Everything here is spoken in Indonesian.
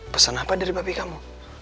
pesen apa dari papi kamu